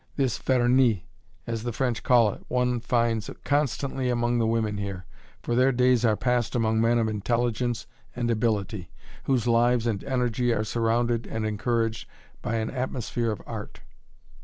This "vernis," as the French call it, one finds constantly among the women here, for their days are passed among men of intelligence and ability, whose lives and energy are surrounded and encouraged by an atmosphere of art.